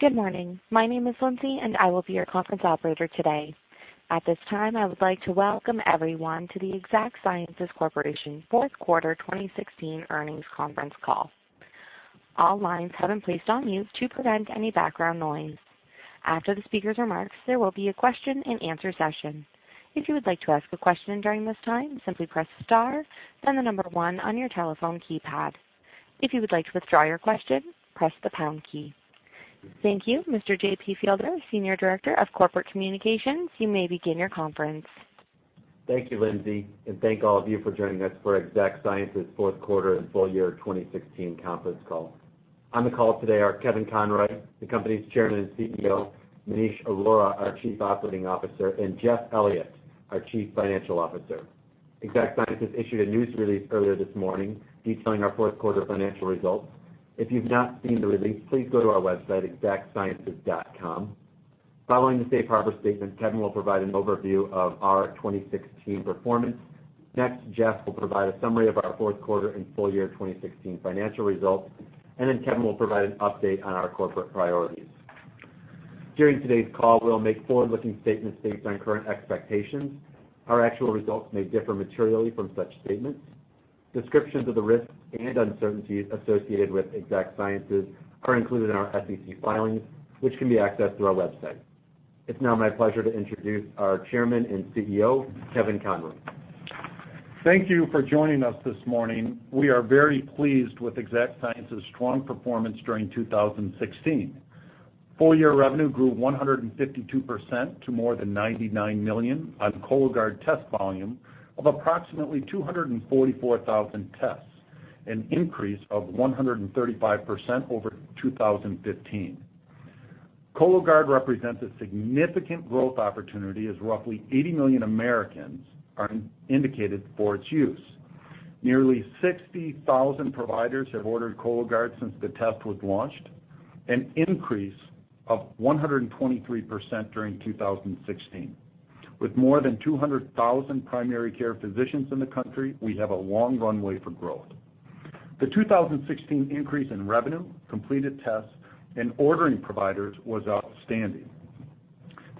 Good morning. My name is Lindsay, and I will be your conference operator today. At this time, I would like to welcome everyone to the Exact Sciences Corporation fourth quarter 2016 earnings conference call. All lines have been placed on mute to prevent any background noise. After the speaker's remarks, there will be a question-and-answer session. If you would like to ask a question during this time, simply press star, then the number one on your telephone keypad. If you would like to withdraw your question, press the pound key. Thank you. Mr. J. P. Fielder, Senior Director of Corporate Communications, you may begin your conference. Thank you, Lindsay, and thank all of you for joining us for Exact Sciences fourth quarter and full year 2016 conference call. On the call today are Kevin Conroy, the company's Chairman and CEO, Maneesh Arora, our Chief Operating Officer, and Jeff Elliott, our Chief Financial Officer. Exact Sciences issued a news release earlier this morning detailing our fourth quarter financial results. If you've not seen the release, please go to our website, exactsciences.com. Following the safe harbor statement, Kevin will provide an overview of our 2016 performance. Next, Jeff will provide a summary of our fourth quarter and full year 2016 financial results, and then Kevin will provide an update on our corporate priorities. During today's call, we'll make forward-looking statements based on current expectations. Our actual results may differ materially from such statements. Descriptions of the risks and uncertainties associated with Exact Sciences are included in our SEC filings, which can be accessed through our website. It's now my pleasure to introduce our Chairman and CEO, Kevin Conroy. Thank you for joining us this morning. We are very pleased with Exact Sciences' strong performance during 2016. Full-year revenue grew 152% to more than $99 million on Cologuard test volume of approximately 244,000 tests, an increase of 135% over 2015. Cologuard represents a significant growth opportunity as roughly 80 million Americans are indicated for its use. Nearly 60,000 providers have ordered Cologuard since the test was launched, an increase of 123% during 2016. With more than 200,000 primary care physicians in the country, we have a long runway for growth. The 2016 increase in revenue, completed tests, and ordering providers was outstanding.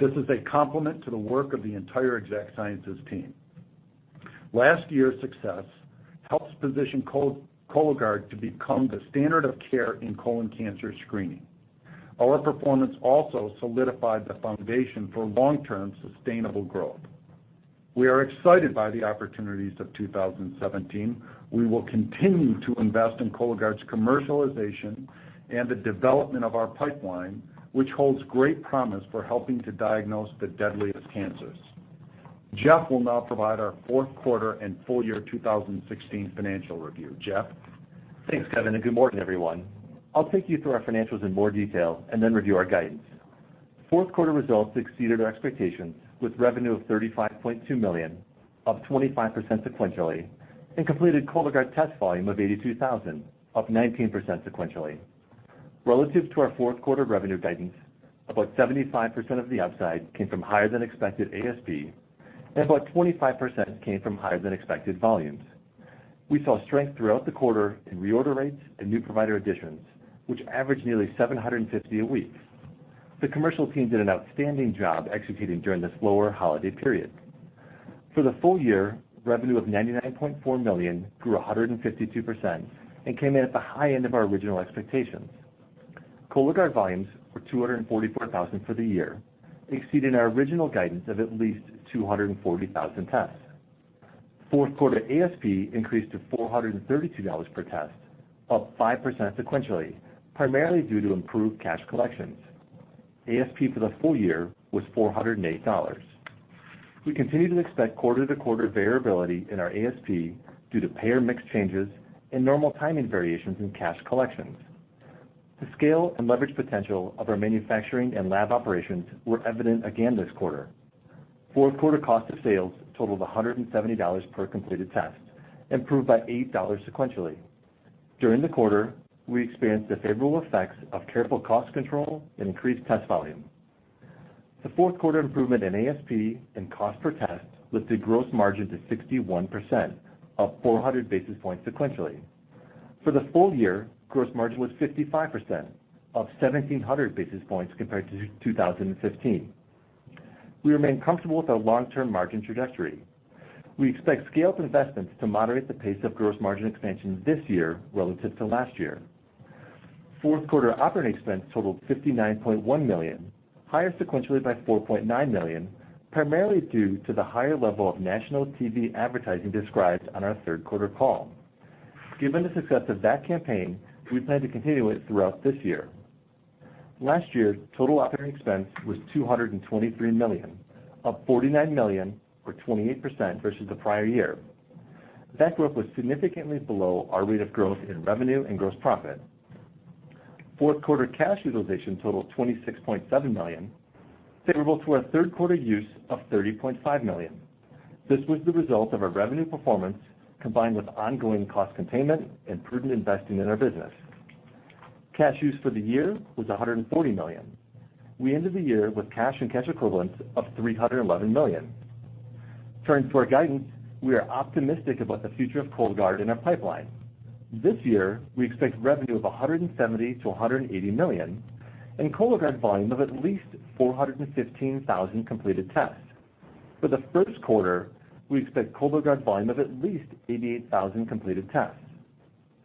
This is a complement to the work of the entire Exact Sciences team. Last year's success helped position Cologuard to become the standard of care in colon cancer screening. Our performance also solidified the foundation for long-term sustainable growth. We are excited by the opportunities of 2017. We will continue to invest in Cologuard's commercialization and the development of our pipeline, which holds great promise for helping to diagnose the deadliest cancers. Jeff will now provide our fourth quarter and full year 2016 financial review. Jeff? Thanks, Kevin, and good morning, everyone. I'll take you through our financials in more detail and then review our guidance. Fourth quarter results exceeded our expectations with revenue of $35.2 million, up 25% sequentially, and completed Cologuard test volume of 82,000, up 19% sequentially. Relative to our fourth quarter revenue guidance, about 75% of the upside came from higher-than-expected ASP and about 25% came from higher-than-expected volumes. We saw strength throughout the quarter in reorder rates and new provider additions, which averaged nearly 750 a week. The commercial team did an outstanding job executing during this slower holiday period. For the full year, revenue of $99.4 million grew 152% and came in at the high end of our original expectations. Cologuard volumes were 244,000 for the year, exceeding our original guidance of at least 240,000 tests. Fourth quarter ASP increased to $432 per test, up 5% sequentially, primarily due to improved cash collections. ASP for the full year was $408. We continue to expect quarter-to-quarter variability in our ASP due to payer mix changes and normal timing variations in cash collections. The scale and leverage potential of our manufacturing and lab operations were evident again this quarter. Fourth quarter cost of sales totaled $170 per completed test, improved by $8 sequentially. During the quarter, we experienced the favorable effects of careful cost control and increased test volume. The fourth quarter improvement in ASP and cost per test lifted gross margin to 61%, up 400 basis points sequentially. For the full year, gross margin was 55%, up 1,700 basis points compared to 2015. We remain comfortable with our long-term margin trajectory. We expect scaled investments to moderate the pace of gross margin expansion this year relative to last year. Fourth quarter operating expense totaled $59.1 million, higher sequentially by $4.9 million, primarily due to the higher level of national TV advertising described on our third quarter call. Given the success of that campaign, we plan to continue it throughout this year. Last year, total operating expense was $223 million, up $49 million or 28% versus the prior year. That growth was significantly below our rate of growth in revenue and gross profit. Fourth quarter cash utilization totaled $26.7 million, favorable to our third quarter use of $30.5 million. This was the result of our revenue performance combined with ongoing cost containment and prudent investing in our business. Cash use for the year was $140 million. We ended the year with cash and cash equivalents of $311 million. Turning to our guidance, we are optimistic about the future of Cologuard and our pipeline. This year, we expect revenue of $170 million-$180 million and Cologuard volume of at least 415,000 completed tests. For the first quarter, we expect Cologuard volume of at least 88,000 completed tests.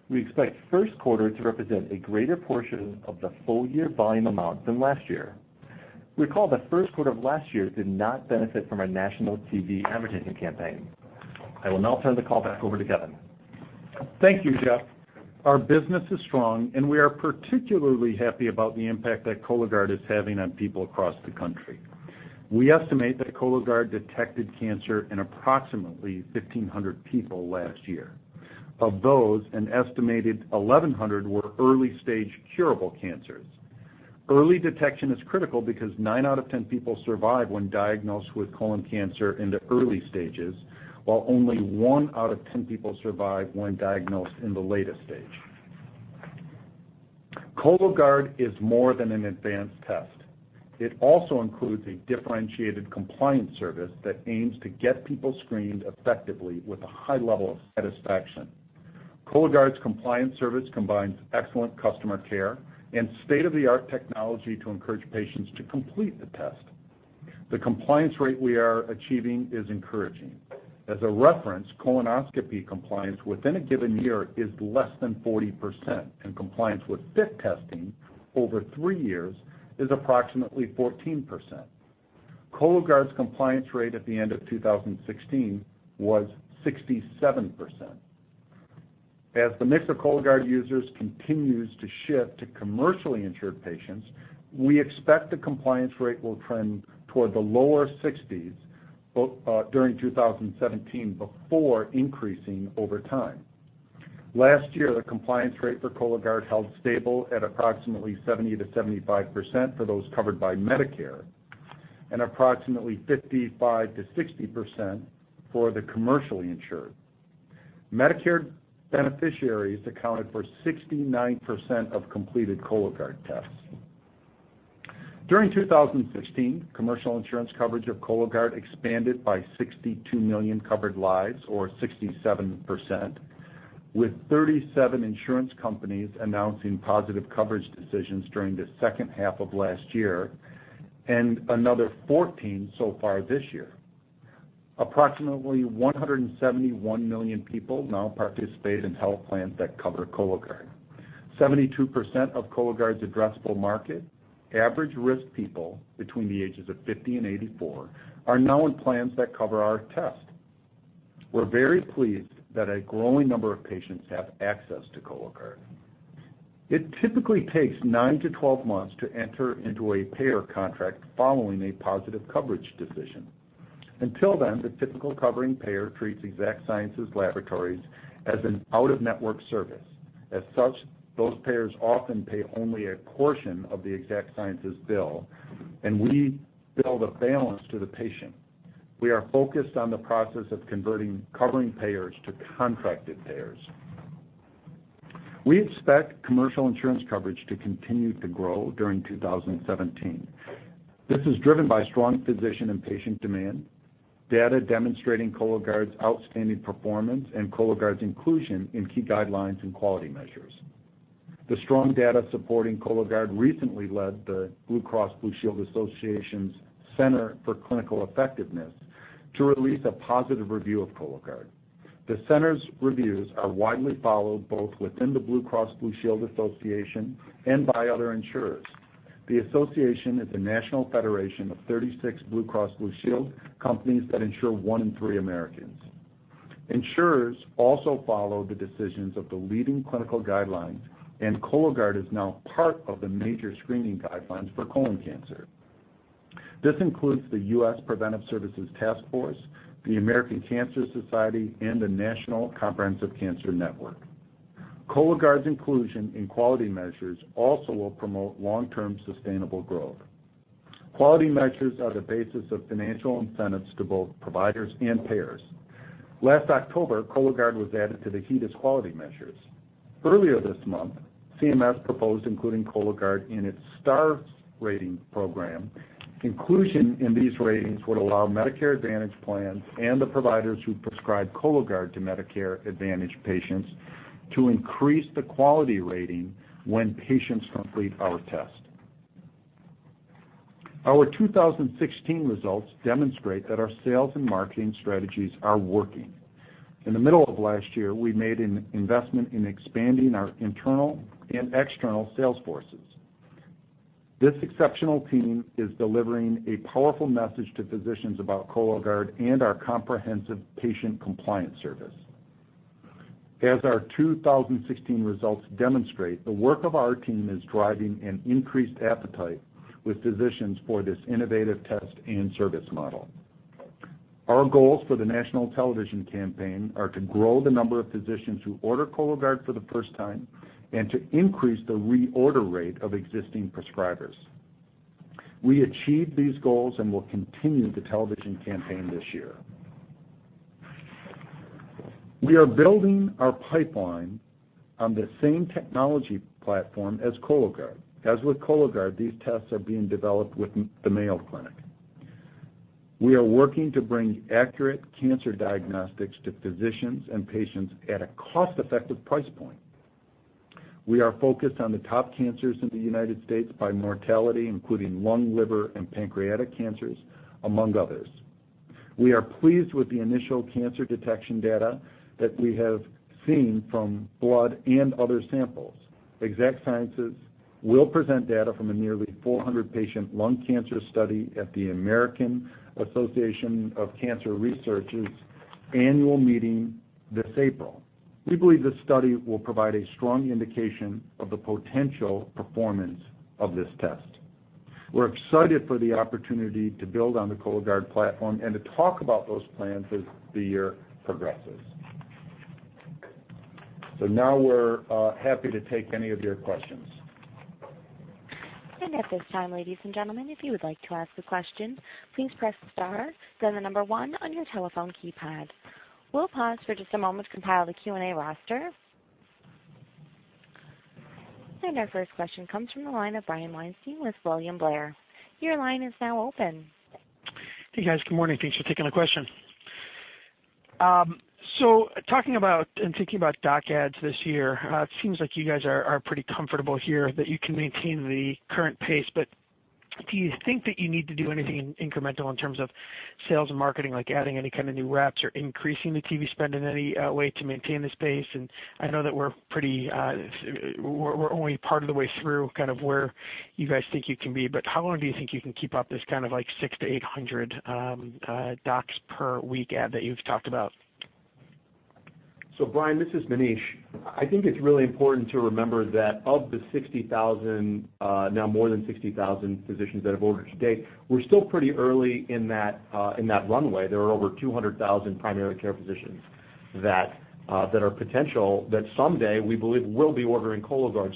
We expect first quarter to represent a greater portion of the full year volume amount than last year. Recall the first quarter of last year did not benefit from our national TV advertising campaign. I will now turn the call back over to Kevin. Thank you, Jeff. Our business is strong, and we are particularly happy about the impact that Cologuard is having on people across the country. We estimate that Cologuard detected cancer in approximately 1,500 people last year. Of those, an estimated 1,100 were early-stage curable cancers. Early detection is critical because 9 out of 10 people survive when diagnosed with colon cancer in the early stages, while only 1 out of 10 people survive when diagnosed in the latest stage. Cologuard is more than an advanced test. It also includes a differentiated compliance service that aims to get people screened effectively with a high level of satisfaction. Cologuard's compliance service combines excellent customer care and state-of-the-art technology to encourage patients to complete the test. The compliance rate we are achieving is encouraging. As a reference, colonoscopy compliance within a given year is less than 40%, and compliance with FIT testing over three years is approximately 14%. Cologuard's compliance rate at the end of 2016 was 67%. As the mix of Cologuard users continues to shift to commercially insured patients, we expect the compliance rate will trend toward the lower 60s during 2017 before increasing over time. Last year, the compliance rate for Cologuard held stable at approximately 70-75% for those covered by Medicare and approximately 55-60% for the commercially insured. Medicare beneficiaries accounted for 69% of completed Cologuard tests. During 2016, commercial insurance coverage of Cologuard expanded by 62 million covered lives or 67%, with 37 insurance companies announcing positive coverage decisions during the second half of last year and another 14 so far this year. Approximately 171 million people now participate in health plans that cover Cologuard. 72% of Cologuard's addressable market, average risk people between the ages of 50 and 84, are now in plans that cover our test. We're very pleased that a growing number of patients have access to Cologuard. It typically takes 9-12 months to enter into a payer contract following a positive coverage decision. Until then, the typical covering payer treats Exact Sciences laboratories as an out-of-network service. As such, those payers often pay only a portion of the Exact Sciences bill, and we bill the balance to the patient. We are focused on the process of converting covering payers to contracted payers. We expect commercial insurance coverage to continue to grow during 2017. This is driven by strong physician and patient demand, data demonstrating Cologuard's outstanding performance, and Cologuard's inclusion in key guidelines and quality measures. The strong data supporting Cologuard recently led the Blue Cross Blue Shield Association's Center for Clinical Effectiveness to release a positive review of Cologuard. The center's reviews are widely followed both within the Blue Cross Blue Shield Association and by other insurers. The association is a national federation of 36 Blue Cross Blue Shield companies that insure one in three Americans. Insurers also follow the decisions of the leading clinical guidelines, and Cologuard is now part of the major screening guidelines for colon cancer. This includes the U.S. Preventive Services Task Force, the American Cancer Society, and the National Comprehensive Cancer Network. Cologuard's inclusion in quality measures also will promote long-term sustainable growth. Quality measures are the basis of financial incentives to both providers and payers. Last October, Cologuard was added to the HEDIS quality measures. Earlier this month, CMS proposed including Cologuard in its Stars Rating program. Inclusion in these ratings would allow Medicare Advantage plans and the providers who prescribe Cologuard to Medicare Advantage patients to increase the quality rating when patients complete our test. Our 2016 results demonstrate that our sales and marketing strategies are working. In the middle of last year, we made an investment in expanding our internal and external sales forces. This exceptional team is delivering a powerful message to physicians about Cologuard and our comprehensive patient compliance service. As our 2016 results demonstrate, the work of our team is driving an increased appetite with physicians for this innovative test and service model. Our goals for the national television campaign are to grow the number of physicians who order Cologuard for the first time and to increase the reorder rate of existing prescribers. We achieved these goals and will continue the television campaign this year. We are building our pipeline on the same technology platform as Cologuard. As with Cologuard, these tests are being developed with the Mayo Clinic. We are working to bring accurate cancer diagnostics to physicians and patients at a cost-effective price point. We are focused on the top cancers in the United States by mortality, including lung, liver, and pancreatic cancers, among others. We are pleased with the initial cancer detection data that we have seen from blood and other samples. Exact Sciences will present data from a nearly 400-patient lung cancer study at the American Association for Cancer Research's annual meeting this April. We believe this study will provide a strong indication of the potential performance of this test. We're excited for the opportunity to build on the Cologuard platform and to talk about those plans as the year progresses. Now we're happy to take any of your questions. At this time, ladies and gentlemen, if you would like to ask a question, please press star, then the number one on your telephone keypad. We'll pause for just a moment to compile the Q&A roster. Our first question comes from the line of Brian Weinstein with William Blair. Your line is now open. Hey, guys. Good morning. Thanks for taking the question. Talking about and thinking about doc ads this year, it seems like you guys are pretty comfortable here that you can maintain the current pace. Do you think that you need to do anything incremental in terms of sales and marketing, like adding any kind of new reps or increasing the TV spend in any way to maintain this pace? I know that we're only part of the way through kind of where you guys think you can be. How long do you think you can keep up this kind of like 600-800 docs per week ad that you've talked about? Brian, this is Maneesh. I think it's really important to remember that of the 60,000, now more than 60,000 physicians that have ordered to date, we're still pretty early in that runway. There are over 200,000 primary care physicians that are potential that someday we believe will be ordering Cologuard.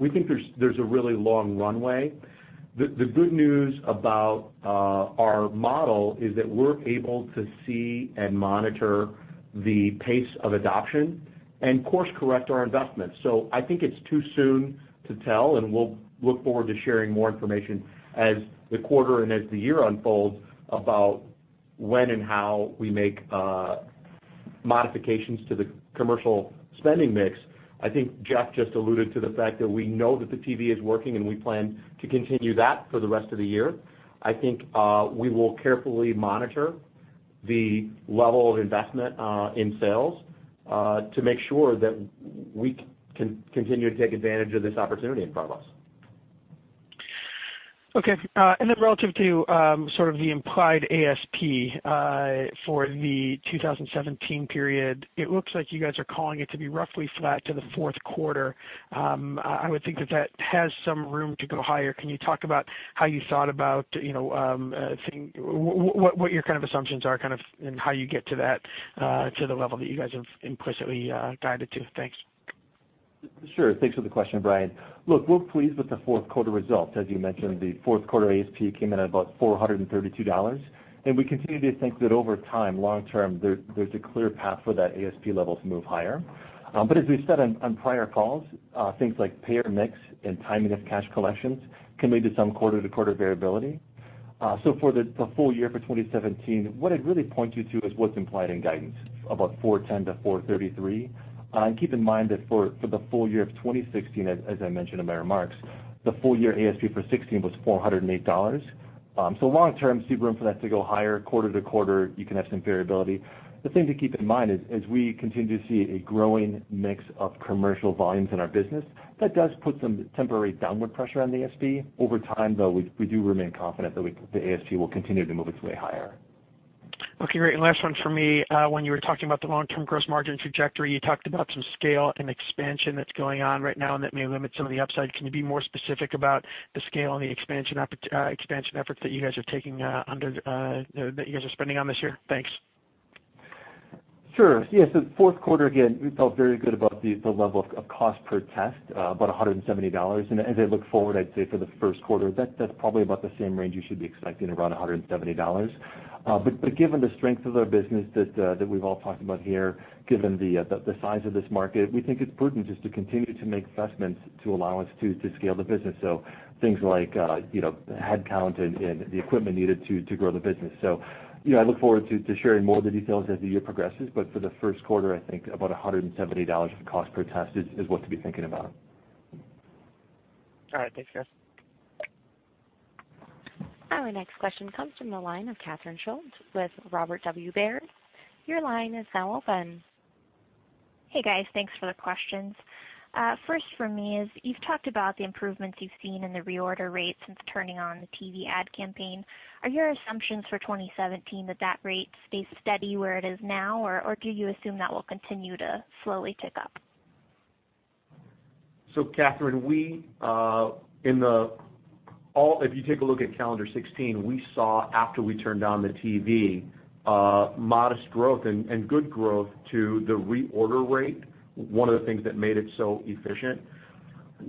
We think there's a really long runway. The good news about our model is that we're able to see and monitor the pace of adoption and course-correct our investments. I think it's too soon to tell, and we'll look forward to sharing more information as the quarter and as the year unfolds about when and how we make modifications to the commercial spending mix. I think Jeff just alluded to the fact that we know that the TV is working, and we plan to continue that for the rest of the year. I think we will carefully monitor the level of investment in sales to make sure that we can continue to take advantage of this opportunity in front of us. Okay. Relative to sort of the implied ASP for the 2017 period, it looks like you guys are calling it to be roughly flat to the fourth quarter. I would think that that has some room to go higher. Can you talk about how you thought about what your kind of assumptions are and how you get to that, to the level that you guys have implicitly guided to? Thanks. Sure. Thanks for the question, Brian. Look, we're pleased with the fourth quarter results. As you mentioned, the fourth quarter ASP came in at about $432. We continue to think that over time, long term, there's a clear path for that ASP level to move higher. As we've said on prior calls, things like payer mix and timing of cash collections can lead to some quarter-to-quarter variability. For the full year for 2017, what I'd really point you to is what's implied in guidance, about $410-$433. Keep in mind that for the full year of 2016, as I mentioned in my remarks, the full year ASP for 2016 was $408. Long term, see room for that to go higher. Quarter to quarter, you can have some variability. The thing to keep in mind is we continue to see a growing mix of commercial volumes in our business. That does put some temporary downward pressure on the ASP. Over time, though, we do remain confident that the ASP will continue to move its way higher. Okay. Great. Last one for me. When you were talking about the long-term gross margin trajectory, you talked about some scale and expansion that is going on right now and that may limit some of the upside. Can you be more specific about the scale and the expansion efforts that you guys are taking under, that you guys are spending on this year? Thanks. Sure. Yeah. So the fourth quarter, again, we felt very good about the level of cost per test, about $170. As I look forward, I'd say for the first quarter, that's probably about the same range you should be expecting, around $170. Given the strength of our business that we've all talked about here, given the size of this market, we think it's prudent just to continue to make investments to allow us to scale the business. Things like headcount and the equipment needed to grow the business. I look forward to sharing more of the details as the year progresses. For the first quarter, I think about $170 of cost per test is what to be thinking about. All right. Thanks, guys. Our next question comes from the line of Catherine Schulte with Robert W. Baird. Your line is now open. Hey, guys. Thanks for the questions. First for me is you've talked about the improvements you've seen in the reorder rate since turning on the TV ad campaign. Are your assumptions for 2017 that that rate stays steady where it is now, or do you assume that will continue to slowly tick up? Catherine, if you take a look at calendar 2016, we saw, after we turned on the TV, modest growth and good growth to the reorder rate, one of the things that made it so efficient.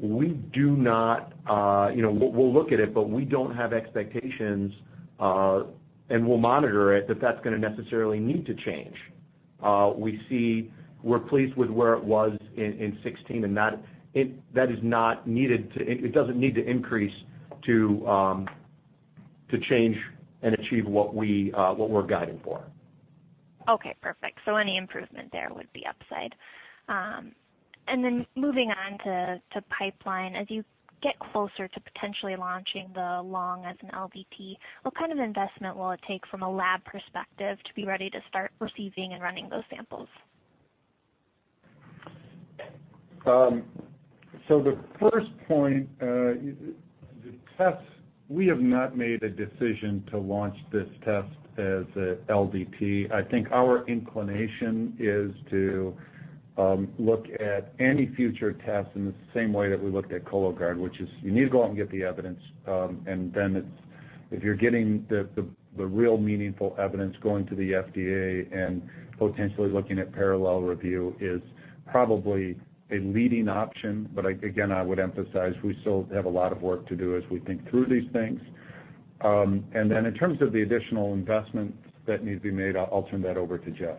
We will look at it, but we do not have expectations, and we'll monitor it, that that's going to necessarily need to change. We are pleased with where it was in 2016, and it does not need to increase to change and achieve what we're guiding for. Okay. Perfect. Any improvement there would be upside. Moving on to pipeline, as you get closer to potentially launching the lung as an LDT, what kind of investment will it take from a lab perspective to be ready to start receiving and running those samples? The first point, the test, we have not made a decision to launch this test as an LDT. I think our inclination is to look at any future tests in the same way that we looked at Cologuard, which is you need to go out and get the evidence. If you're getting the real meaningful evidence, going to the FDA and potentially looking at parallel review is probably a leading option. Again, I would emphasize we still have a lot of work to do as we think through these things. In terms of the additional investments that need to be made, I'll turn that over to Jeff.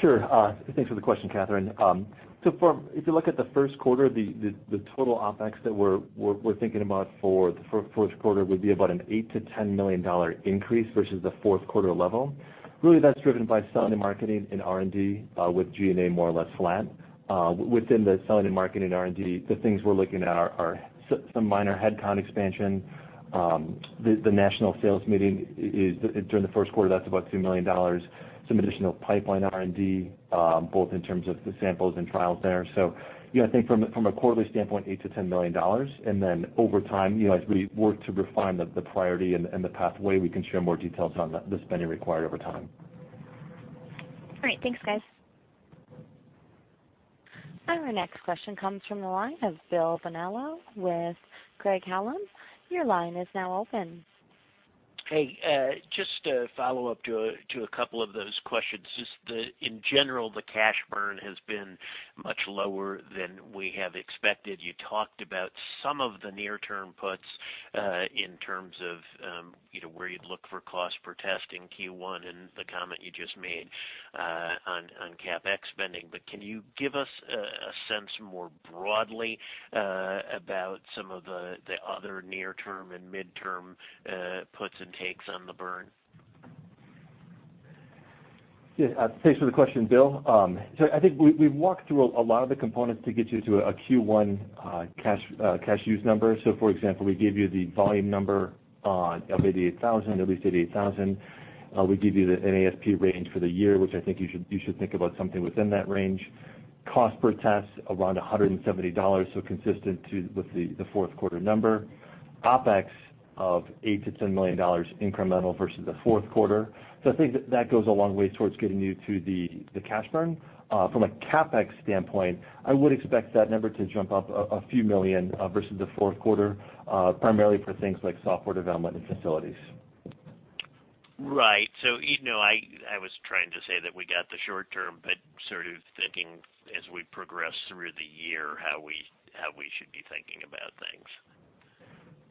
Sure. Thanks for the question, Catherine. If you look at the first quarter, the total OpEx that we're thinking about for the fourth quarter would be about an $8 million-$10 million increase versus the fourth quarter level. Really, that's driven by selling and marketing and R&D with G&A more or less flat. Within the selling and marketing and R&D, the things we're looking at are some minor headcount expansion. The national sales meeting is during the first quarter, that's about $2 million. Some additional pipeline R&D, both in terms of the samples and trials there. I think from a quarterly standpoint, $8 million-$10 million. Over time, as we work to refine the priority and the pathway, we can share more details on the spending required over time. All right. Thanks, guys. Our next question comes from the line of Bill Bonello with Craig-Hallum. Your line is now open. Hey. Just a follow-up to a couple of those questions. Just in general, the cash burn has been much lower than we have expected. You talked about some of the near-term puts in terms of where you'd look for cost per test in Q1 and the comment you just made on CapEx spending. Can you give us a sense more broadly about some of the other near-term and mid-term puts and takes on the burn? Yeah. Thanks for the question, Bill. I think we've walked through a lot of the components to get you to a Q1 cash use number. For example, we gave you the volume number of [88,000, at least 88,000]. We gave you an ASP range for the year, which I think you should think about something within that range. Cost per test, around $170, so consistent with the fourth quarter number. OpEx of $8 million-$10 million incremental versus the fourth quarter. I think that goes a long way towards getting you to the cash burn. From a CapEx standpoint, I would expect that number to jump up a few million versus the fourth quarter, primarily for things like software development and facilities. Right. I was trying to say that we got the short-term, but sort of thinking as we progress through the year how we should be thinking about things.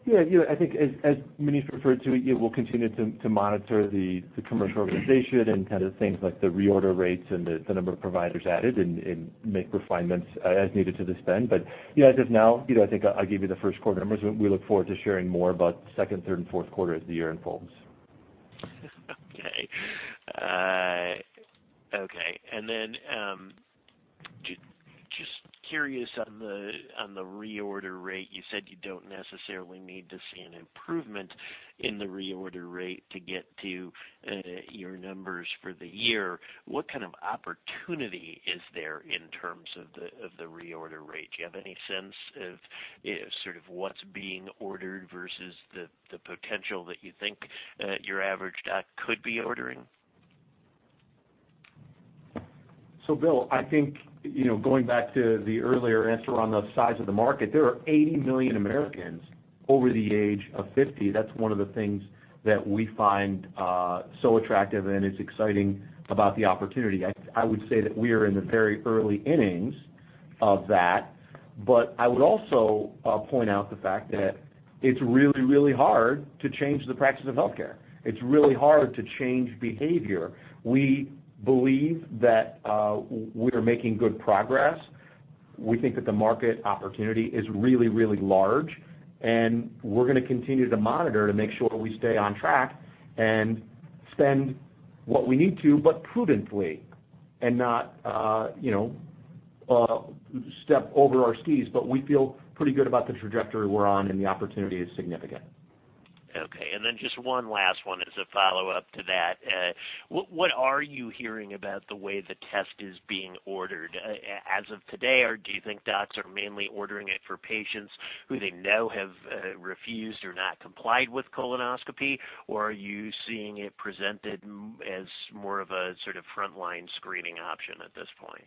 Yeah. I think as Maneesh referred to, we'll continue to monitor the commercial organization and kind of things like the reorder rates and the number of providers added and make refinements as needed to the spend. As of now, I think I'll give you the first quarter numbers. We look forward to sharing more about second, third, and fourth quarter as the year unfolds. Okay. Okay. Just curious on the reorder rate. You said you do not necessarily need to see an improvement in the reorder rate to get to your numbers for the year. What kind of opportunity is there in terms of the reorder rate? Do you have any sense of sort of what is being ordered versus the potential that you think your average doc could be ordering? Bill, I think going back to the earlier answer on the size of the market, there are 80 million Americans over the age of 50. That's one of the things that we find so attractive, and it's exciting about the opportunity. I would say that we are in the very early innings of that. I would also point out the fact that it's really, really hard to change the practice of healthcare. It's really hard to change behavior. We believe that we are making good progress. We think that the market opportunity is really, really large. We're going to continue to monitor to make sure we stay on track and spend what we need to, but prudently and not step over our skis. We feel pretty good about the trajectory we're on, and the opportunity is significant. Okay. And then just one last one as a follow-up to that. What are you hearing about the way the test is being ordered? As of today, or do you think docs are mainly ordering it for patients who they know have refused or not complied with colonoscopy? Or are you seeing it presented as more of a sort of frontline screening option at this point?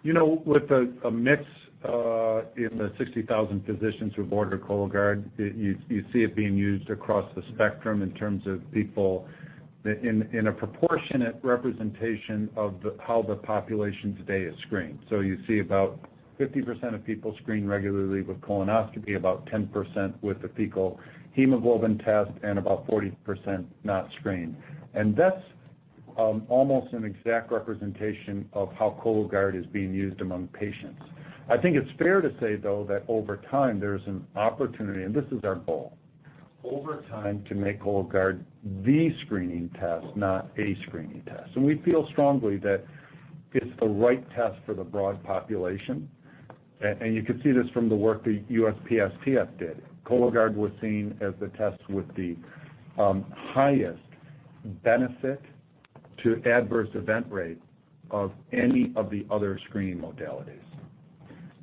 With a mix in the 60,000 physicians who have ordered Cologuard, you see it being used across the spectrum in terms of people in a proportionate representation of how the population today is screened. You see about 50% of people screened regularly with colonoscopy, about 10% with a fecal hemoglobin test, and about 40% not screened. That is almost an exact representation of how Cologuard is being used among patients. I think it is fair to say, though, that over time, there is an opportunity—and this is our goal—over time to make Cologuard the screening test, not a screening test. We feel strongly that it is the right test for the broad population. You can see this from the work that USPSTF did. Cologuard was seen as the test with the highest benefit to adverse event rate of any of the other screening modalities.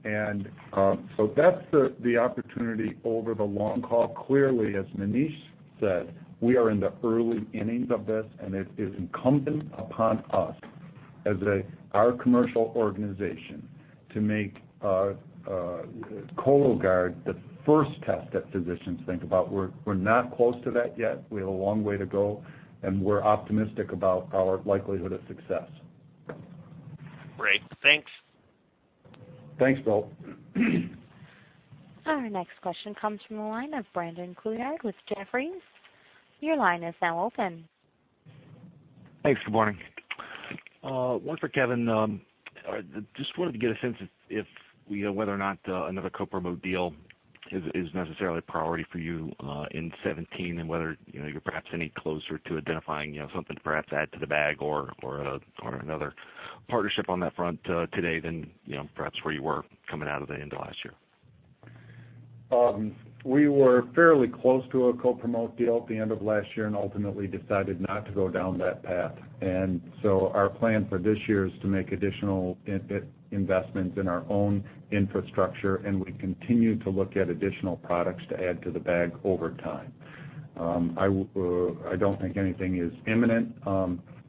That is the opportunity over the long haul. Clearly, as Maneesh said, we are in the early innings of this, and it is incumbent upon us as our commercial organization to make Cologuard the first test that physicians think about. We're not close to that yet. We have a long way to go, and we're optimistic about our likelihood of success. Great. Thanks. Thanks, Bill. Our next question comes from the line of Brandon Couillard with Jefferies. Your line is now open. Hey. Good morning. One for Kevin. Just wanted to get a sense if we know whether or not another co-promote deal is necessarily a priority for you in 2017 and whether you're perhaps any closer to identifying something to perhaps add to the bag or another partnership on that front today than perhaps where you were coming out of the end of last year. We were fairly close to a co-promote deal at the end of last year and ultimately decided not to go down that path. Our plan for this year is to make additional investments in our own infrastructure, and we continue to look at additional products to add to the bag over time. I do not think anything is imminent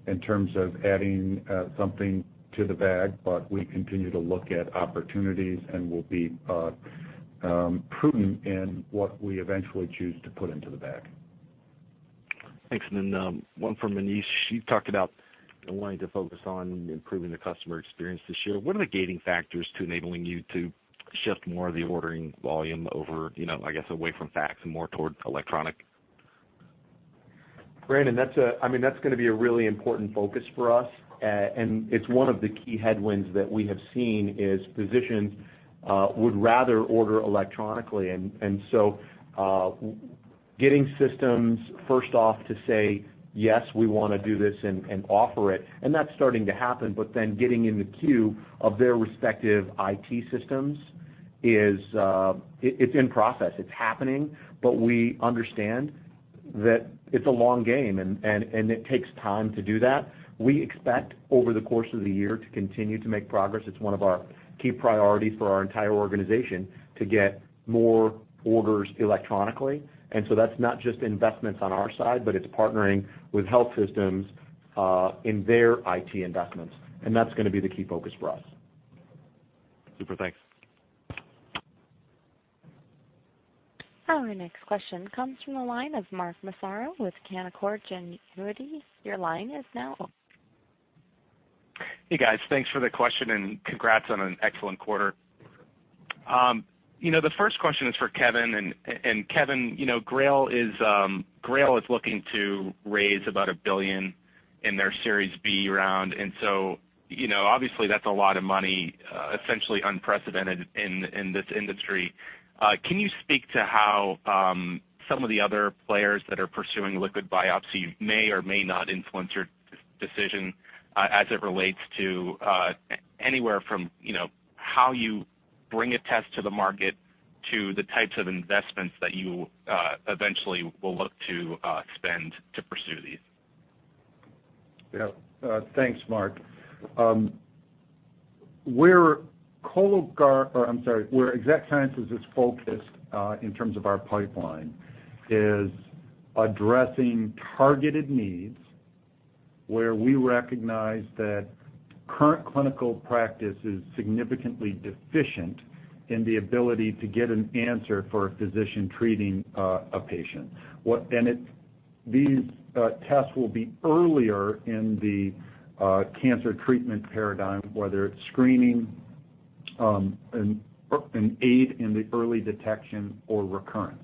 in terms of adding something to the bag, but we continue to look at opportunities and will be prudent in what we eventually choose to put into the bag. Thanks. And then one for Maneesh. You talked about wanting to focus on improving the customer experience this year. What are the gating factors to enabling you to shift more of the ordering volume over, I guess, away from fax and more toward electronic? Brandon, I mean, that's going to be a really important focus for us. It is one of the key headwinds that we have seen is physicians would rather order electronically. Getting systems first off to say, "Yes, we want to do this and offer it," and that's starting to happen. Getting in the queue of their respective IT systems, it's in process. It is happening, but we understand that it is a long game, and it takes time to do that. We expect over the course of the year to continue to make progress. It is one of our key priorities for our entire organization to get more orders electronically. That is not just investments on our side, but it is partnering with health systems in their IT investments. That is going to be the key focus for us. Super. Thanks. Our next question comes from the line of Mark Massaro with Canaccord Genuity. Your line is now open. Hey, guys. Thanks for the question, and congrats on an excellent quarter. The first question is for Kevin. Kevin, GRAIL is looking to raise about $1 billion in their Series B round. Obviously, that's a lot of money, essentially unprecedented in this industry. Can you speak to how some of the other players that are pursuing liquid biopsy may or may not influence your decision as it relates to anywhere from how you bring a test to the market to the types of investments that you eventually will look to spend to pursue these? Yeah. Thanks, Mark. Where Cologuard—I'm sorry, where Exact Sciences is focused in terms of our pipeline is addressing targeted needs where we recognize that current clinical practice is significantly deficient in the ability to get an answer for a physician treating a patient. These tests will be earlier in the cancer treatment paradigm, whether it's screening and aid in the early detection or recurrence.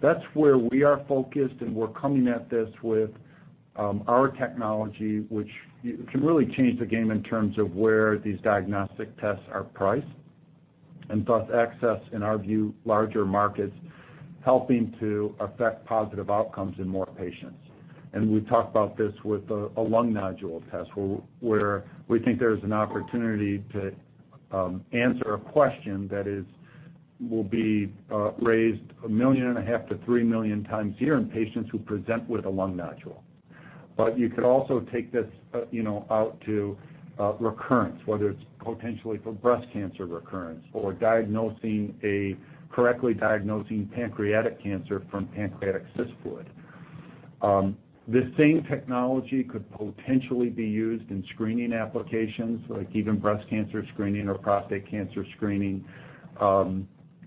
That is where we are focused, and we're coming at this with our technology, which can really change the game in terms of where these diagnostic tests are priced and thus access, in our view, larger markets, helping to affect positive outcomes in more patients. We talked about this with a lung nodule test where we think there is an opportunity to answer a question that will be raised 1.5-3 million times a year in patients who present with a lung nodule. You could also take this out to recurrence, whether it is potentially for breast cancer recurrence or correctly diagnosing pancreatic cancer from pancreatic cyst fluid. The same technology could potentially be used in screening applications, like even breast cancer screening or prostate cancer screening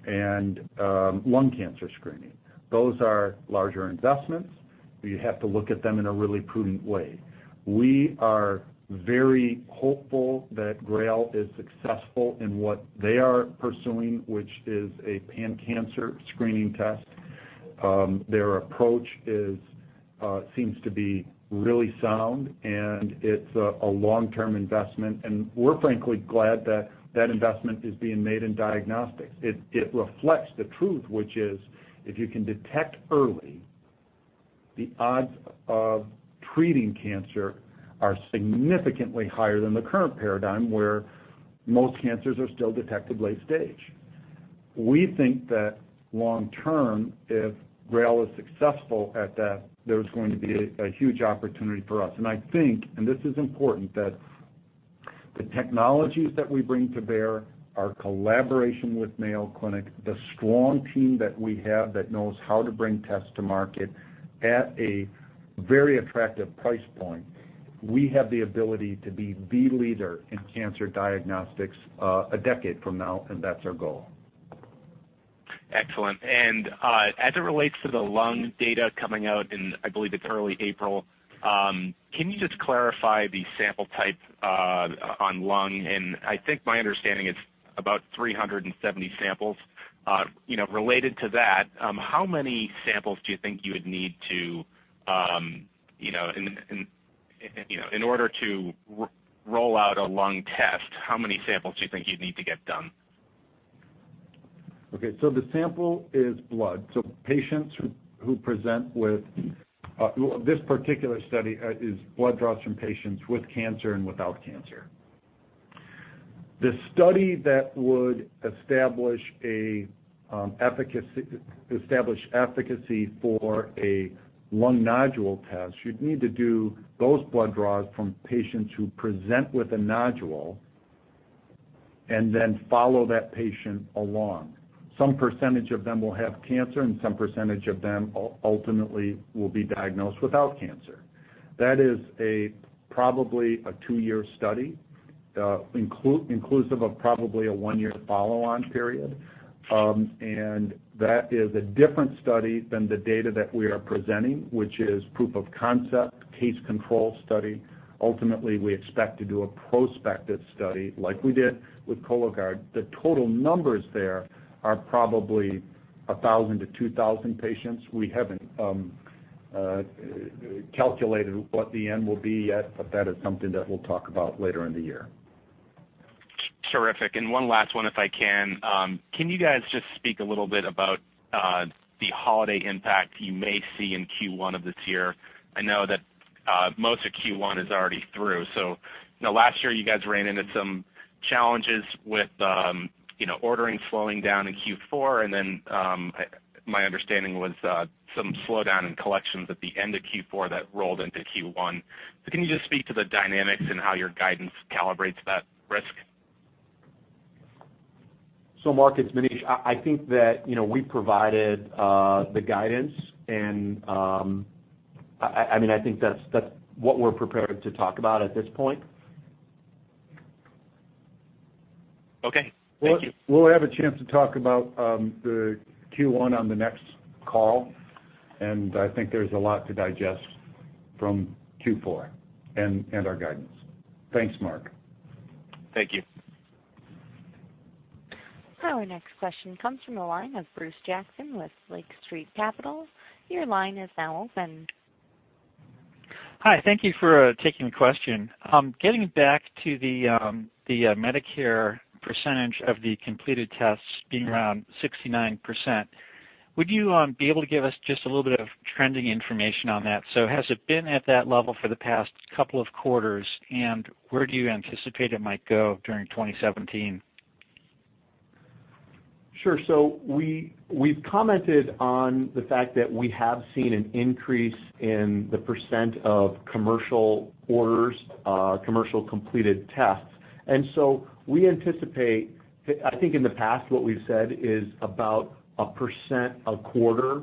and lung cancer screening. Those are larger investments. You have to look at them in a really prudent way. We are very hopeful that GRAIL is successful in what they are pursuing, which is a pan-cancer screening test. Their approach seems to be really sound, and it is a long-term investment. We are frankly glad that that investment is being made in diagnostics. It reflects the truth, which is if you can detect early, the odds of treating cancer are significantly higher than the current paradigm where most cancers are still detected late-stage. We think that long-term, if GRAIL is successful at that, there's going to be a huge opportunity for us. I think—and this is important—that the technologies that we bring to bear are collaboration with Mayo Clinic, the strong team that we have that knows how to bring tests to market at a very attractive price point. We have the ability to be the leader in cancer diagnostics a decade from now, and that's our goal. Excellent. As it relates to the lung data coming out in, I believe it is early April, can you just clarify the sample type on lung? I think my understanding is about 370 samples. Related to that, how many samples do you think you would need to—in order to roll out a lung test, how many samples do you think you would need to get done? Okay. So the sample is blood. So patients who present with this particular study is blood draws from patients with cancer and without cancer. The study that would establish efficacy for a lung nodule test, you'd need to do those blood draws from patients who present with a nodule and then follow that patient along. Some percentage of them will have cancer, and some percentage of them ultimately will be diagnosed without cancer. That is probably a two-year study inclusive of probably a one-year follow-on period. That is a different study than the data that we are presenting, which is proof of concept, case control study. Ultimately, we expect to do a prospective study like we did with Cologuard. The total numbers there are probably 1,000-2,000 patients. We haven't calculated what the end will be yet, but that is something that we'll talk about later in the year. Terrific. And one last one, if I can. Can you guys just speak a little bit about the holiday impact you may see in Q1 of this year? I know that most of Q1 is already through. Last year, you guys ran into some challenges with ordering slowing down in Q4. And then my understanding was some slowdown in collections at the end of Q4 that rolled into Q1. Can you just speak to the dynamics and how your guidance calibrates that risk? Mark, it's Maneesh. I think that we provided the guidance. I mean, I think that's what we're prepared to talk about at this point. Okay. Thank you. We'll have a chance to talk about Q1 on the next call. I think there's a lot to digest from Q4 and our guidance. Thanks, Mark. Thank you. Our next question comes from the line of Bruce Jackson with Lake Street Capital. Your line is now open. Hi. Thank you for taking the question. Getting back to the Medicare percentage of the completed tests being around 69%, would you be able to give us just a little bit of trending information on that? Has it been at that level for the past couple of quarters, and where do you anticipate it might go during 2017? Sure. We have commented on the fact that we have seen an increase in the percent of commercial orders, commercial completed tests. We anticipate, I think in the past, what we have said is about 1% a quarter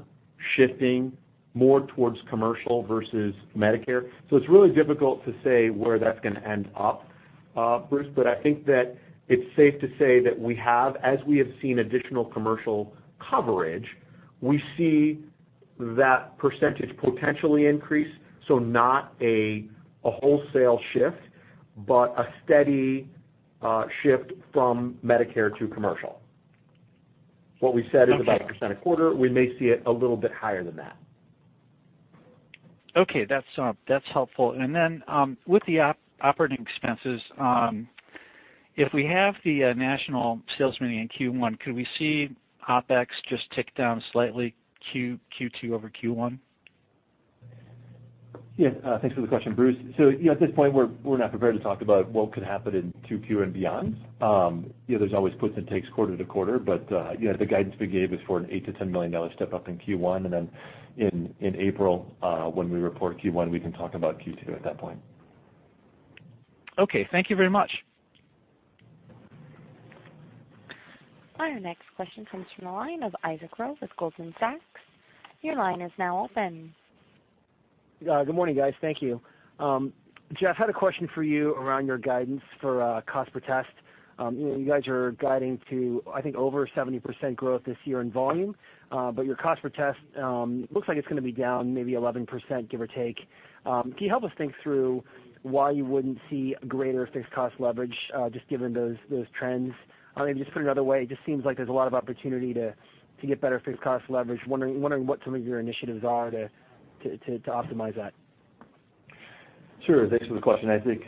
shifting more towards commercial versus Medicare. It is really difficult to say where that is going to end up, Bruce, but I think that it is safe to say that as we have seen additional commercial coverage, we see that % potentially increase. Not a wholesale shift, but a steady shift from Medicare to commercial. What we have said is about 1% a quarter. We may see it a little bit higher than that. Okay. That's helpful. If we have the national sales meeting in Q1, could we see OpEx just tick down slightly Q2 over Q1? Yeah. Thanks for the question, Bruce. At this point, we're not prepared to talk about what could happen in Q2 and beyond. There's always puts and takes quarter to quarter, but the guidance we gave is for an $8 million-$10 million step up in Q1. In April, when we report Q1, we can talk about Q2 at that point. Okay. Thank you very much. Our next question comes from the line of Isaac Ro with Goldman Sachs. Your line is now open. Good morning, guys. Thank you. Jeff, I had a question for you around your guidance for cost per test. You guys are guiding to, I think, over 70% growth this year in volume, but your cost per test looks like it's going to be down maybe 11%, give or take. Can you help us think through why you wouldn't see greater fixed cost leverage just given those trends? I mean, just put it another way, it just seems like there's a lot of opportunity to get better fixed cost leverage. Wondering what some of your initiatives are to optimize that. Sure. Thanks for the question Isaac.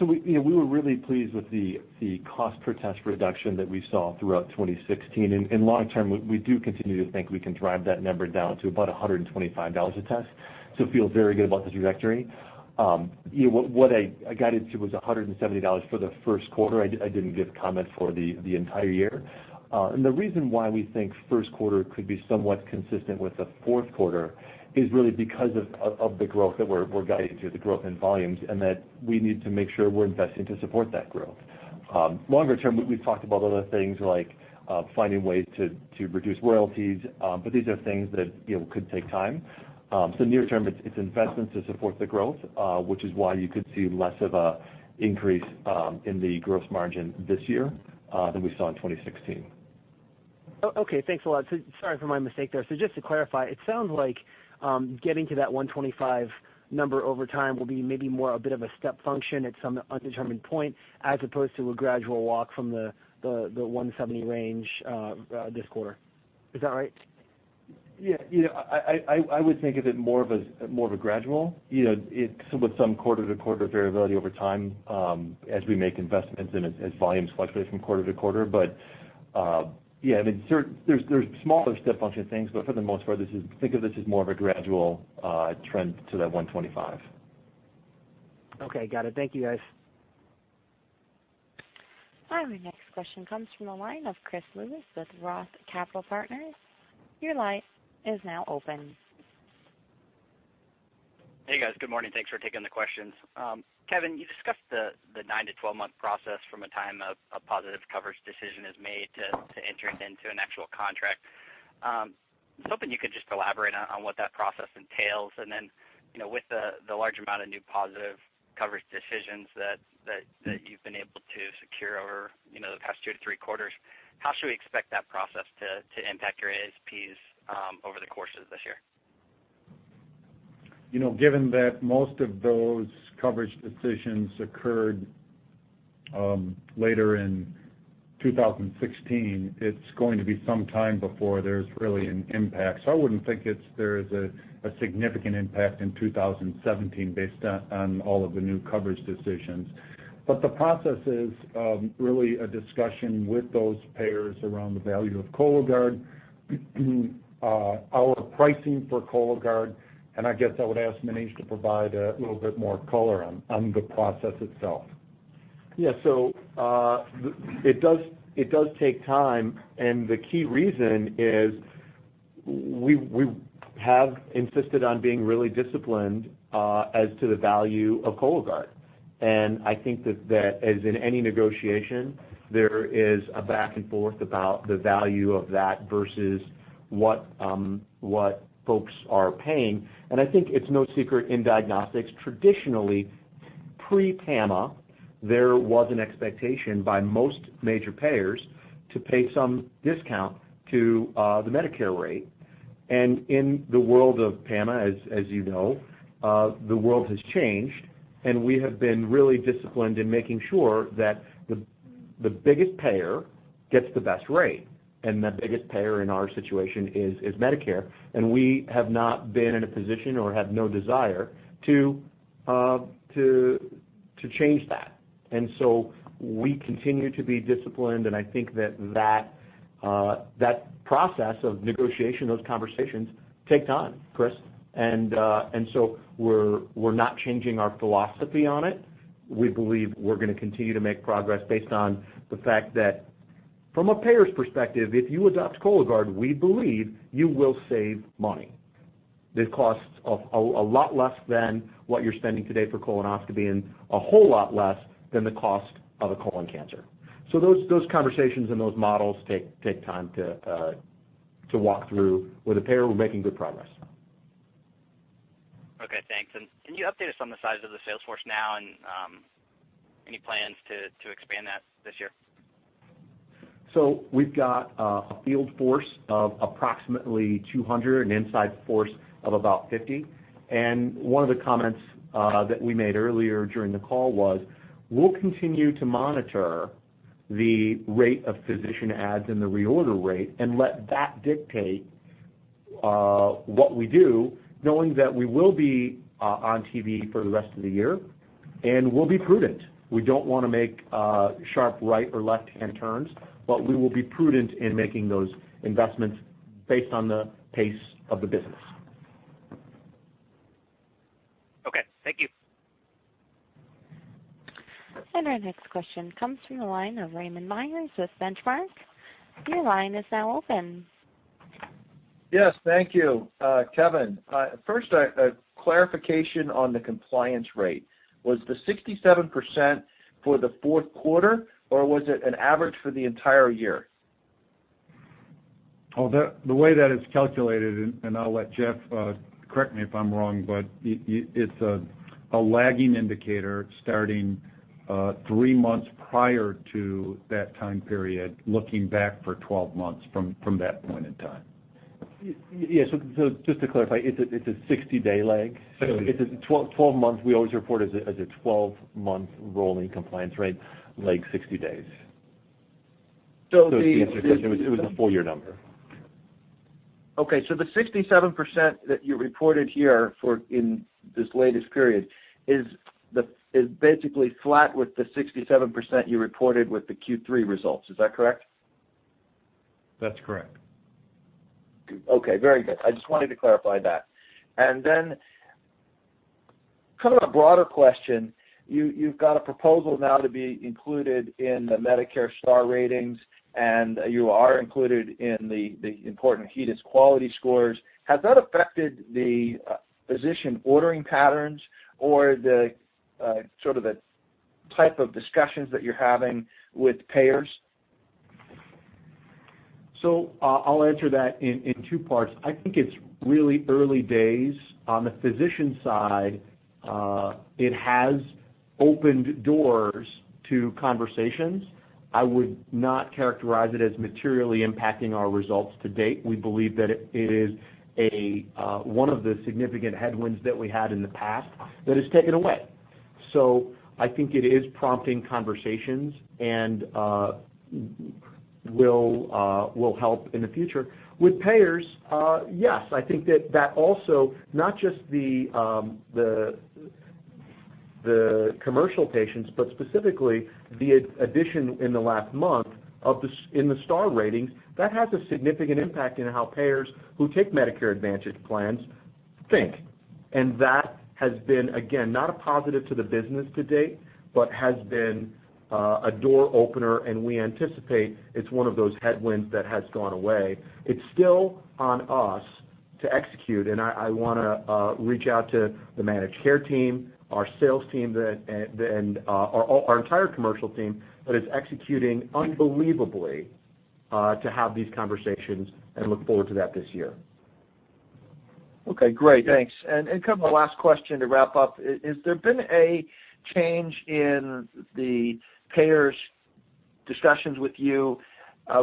We were really pleased with the cost per test reduction that we saw throughout 2016. Long-term, we do continue to think we can drive that number down to about $125 a test. I feel very good about the trajectory. What I guided to was $170 for the first quarter. I did not give comment for the entire year. The reason why we think first quarter could be somewhat consistent with the fourth quarter is really because of the growth that we are guiding to, the growth in volumes, and that we need to make sure we are investing to support that growth. Longer term, we have talked about other things like finding ways to reduce royalties, but these are things that could take time. Near term, it's investments to support the growth, which is why you could see less of an increase in the gross margin this year than we saw in 2016. Okay. Thanks a lot. Sorry for my mistake there. Just to clarify, it sounds like getting to that $125 number over time will be maybe more a bit of a step function at some undetermined point as opposed to a gradual walk from the $170 range this quarter. Is that right? Yeah. I would think of it more of a gradual with some quarter-to-quarter variability over time as we make investments and as volumes fluctuate from quarter to quarter. Yeah, I mean, there are smaller step function things, but for the most part, think of this as more of a gradual trend to that $125. Okay. Got it. Thank you, guys. Our next question comes from the line of Chris Lewis with Roth Capital Partners. Your line is now open. Hey, guys. Good morning. Thanks for taking the questions. Kevin, you discussed the 9-12 month process from a time a positive coverage decision is made to entering into an actual contract. I was hoping you could just elaborate on what that process entails. And then with the large amount of new positive coverage decisions that you've been able to secure over the past two to three quarters, how should we expect that process to impact your ASPs over the course of this year? Given that most of those coverage decisions occurred later in 2016, it's going to be some time before there's really an impact. I wouldn't think there is a significant impact in 2017 based on all of the new coverage decisions. The process is really a discussion with those payers around the value of Cologuard, our pricing for Cologuard, and I guess I would ask Maneesh to provide a little bit more color on the process itself. Yeah. It does take time. The key reason is we have insisted on being really disciplined as to the value of Cologuard. I think that, as in any negotiation, there is a back and forth about the value of that versus what folks are paying. I think it's no secret in diagnostics, traditionally, pre-PAMA, there was an expectation by most major payers to pay some discount to the Medicare rate. In the world of PAMA, as you know, the world has changed, and we have been really disciplined in making sure that the biggest payer gets the best rate. That biggest payer in our situation is Medicare. We have not been in a position or have no desire to change that. We continue to be disciplined. I think that process of negotiation, those conversations take time, Chris. We're not changing our philosophy on it. We believe we're going to continue to make progress based on the fact that from a payer's perspective, if you adopt Cologuard, we believe you will save money. The costs are a lot less than what you're spending today for colonoscopy and a whole lot less than the cost of a colon cancer. Those conversations and those models take time to walk through with a payer making good progress. Okay. Thanks. You updated some of the size of the sales force now and any plans to expand that this year? We have got a field force of approximately 200, an inside force of about 50. One of the comments that we made earlier during the call was we will continue to monitor the rate of physician ads and the reorder rate and let that dictate what we do, knowing that we will be on TV for the rest of the year and we will be prudent. We do not want to make sharp right or left-hand turns, but we will be prudent in making those investments based on the pace of the business. Okay. Thank you. Our next question comes from the line of Raymond Myers with Benchmark. Your line is now open. Yes. Thank you, Kevin. First, a clarification on the compliance rate. Was the 67% for the fourth quarter, or was it an average for the entire year? Oh, the way that it's calculated, and I'll let Jeff correct me if I'm wrong, but it's a lagging indicator starting three months prior to that time period, looking back for 12 months from that point in time. Yeah. So just to clarify, it's a 60-day leg? It's a 12-month. We always report as a 12-month rolling compliance rate, lag 60 days. To answer your question, it was a four-year number. Okay. So the 67% that you reported here in this latest period is basically flat with the 67% you reported with the Q3 results. Is that correct? That's correct. Okay. Very good. I just wanted to clarify that. Then kind of a broader question, you've got a proposal now to be included in the Medicare Star Ratings, and you are included in the important HEDIS quality scores. Has that affected the physician ordering patterns or sort of the type of discussions that you're having with payers? I'll answer that in two parts. I think it's really early days on the physician side. It has opened doors to conversations. I would not characterize it as materially impacting our results to date. We believe that it is one of the significant headwinds that we had in the past that has taken away. I think it is prompting conversations and will help in the future. With payers, yes. I think that that also, not just the commercial patients, but specifically the addition in the last month in the Star Ratings, that has a significant impact in how payers who take Medicare Advantage plans think. That has been, again, not a positive to the business to date, but has been a door opener, and we anticipate it's one of those headwinds that has gone away. It's still on us to execute. I want to reach out to the managed care team, our sales team, and our entire commercial team that is executing unbelievably to have these conversations and look forward to that this year. Okay. Great. Thanks. Kind of the last question to wrap up, has there been a change in the payers' discussions with you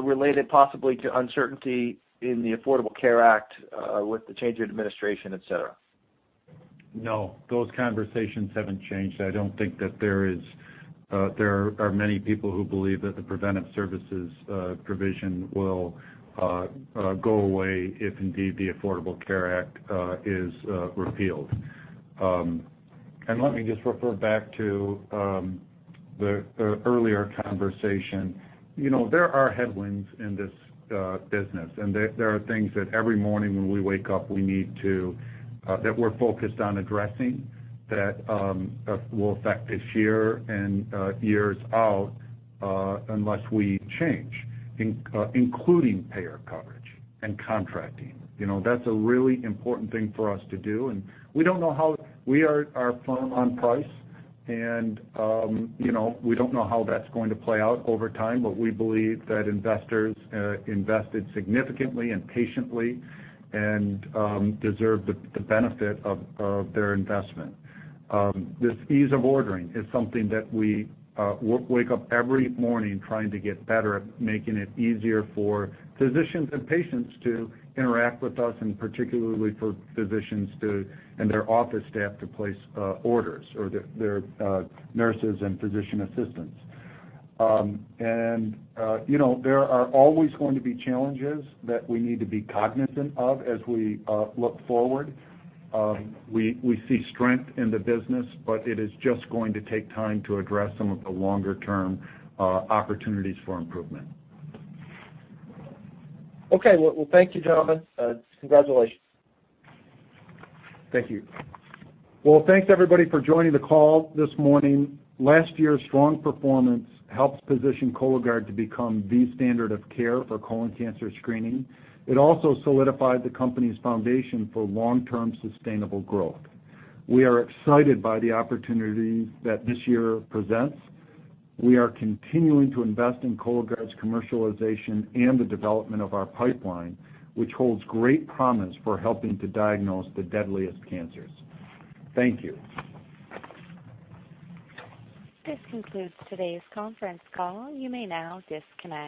related possibly to uncertainty in the Affordable Care Act with the change in administration, etc.? No. Those conversations have not changed. I do not think that there are many people who believe that the preventive services provision will go away if indeed the Affordable Care Act is repealed. Let me just refer back to the earlier conversation. There are headwinds in this business, and there are things that every morning when we wake up, we need to that we are focused on addressing that will affect this year and years out unless we change, including payer coverage and contracting. That is a really important thing for us to do. We do not know how we are firm on price, and we do not know how that is going to play out over time, but we believe that investors invested significantly and patiently and deserve the benefit of their investment. This ease of ordering is something that we wake up every morning trying to get better at, making it easier for physicians and patients to interact with us, and particularly for physicians and their office staff to place orders or their nurses and physician assistants. There are always going to be challenges that we need to be cognizant of as we look forward. We see strength in the business, but it is just going to take time to address some of the longer-term opportunities for improvement. Okay. Thank you, gentlemen. Congratulations. Thank you. Thanks, everybody, for joining the call this morning. Last year's strong performance helped position Cologuard to become the standard of care for colon cancer screening. It also solidified the company's foundation for long-term sustainable growth. We are excited by the opportunities that this year presents. We are continuing to invest in Cologuard's commercialization and the development of our pipeline, which holds great promise for helping to diagnose the deadliest cancers. Thank you. This concludes today's conference call. You may now disconnect.